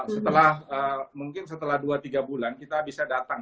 setelah mungkin setelah dua tiga bulan kita bisa datang